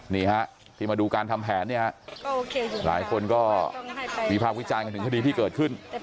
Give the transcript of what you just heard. นี่ฮะที่มาดูการทำแผนหลายคนก็หวีภาพวิจารณ์ถึงคดีที่เกิดขึ้น